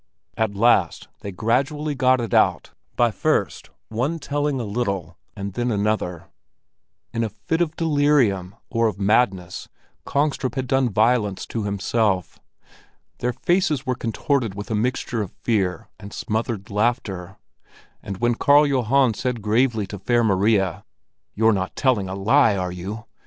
At last they gradually got it out by first one telling a little and then another: in a fit of delirium or of madness Kongstrup had done violence to himself. Their faces were contorted with a mixture of fear and smothered laughter; and when Karl Johan said gravely to Fair Maria: "You're not telling a lie, are you?"